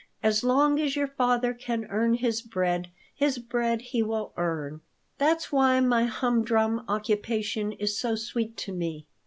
As long as your father can earn his bread, his bread he will earn.' That's why my humdrum occupation is so sweet to me."